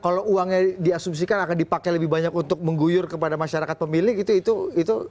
kalau uangnya diasumsikan akan dipakai lebih banyak untuk mengguyur kepada masyarakat pemilih itu